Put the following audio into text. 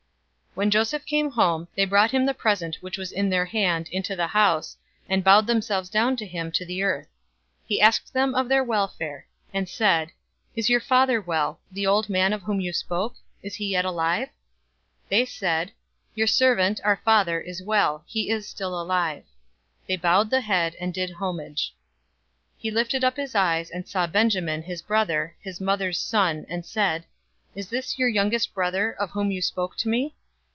043:026 When Joseph came home, they brought him the present which was in their hand into the house, and bowed themselves down to him to the earth. 043:027 He asked them of their welfare, and said, "Is your father well, the old man of whom you spoke? Is he yet alive?" 043:028 They said, "Your servant, our father, is well. He is still alive." They bowed the head, and did homage. 043:029 He lifted up his eyes, and saw Benjamin, his brother, his mother's son, and said, "Is this your youngest brother, of whom you spoke to me?"